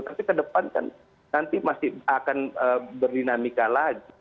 tapi ke depan kan nanti masih akan berdinamika lagi